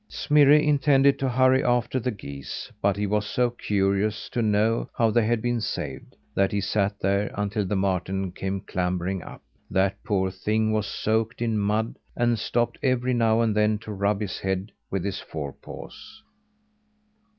Smirre intended to hurry after the geese, but he was so curious to know how they had been saved, that he sat there until the marten came clambering up. That poor thing was soaked in mud, and stopped every now and then to rub his head with his forepaws.